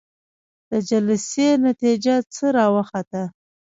د جلسې نتيجه څه راوخته؟